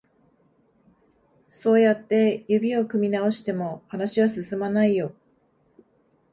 そうやって指を組み直しても、話は進まないよ。